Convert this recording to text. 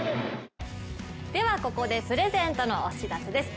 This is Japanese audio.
ここでプレゼントのお知らせです。